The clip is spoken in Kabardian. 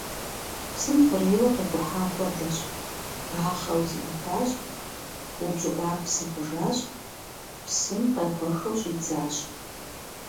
Псым хъурейуэ къикӀухьа хуэдэщ: бахъэу зиӀэтащ, упщӀыӀуар псы хъужащ, псым къехуэхыу щӀидзащ.